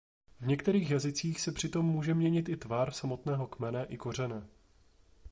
V některých jazycích se přitom může měnit i tvar samotného kmene i kořene.